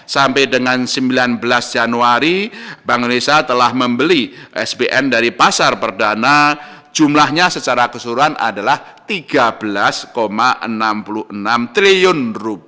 sampai dengan sembilan belas januari bank indonesia telah membeli sbn dari pasar perdana jumlahnya secara keseluruhan adalah rp tiga belas enam puluh enam triliun